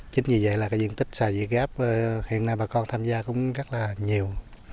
chính vì vậy là cái diện tích sàn việt gáp hiện nay bà con tham gia cũng rất là nhiều